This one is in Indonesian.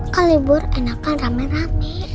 kalau libur enakan rame rame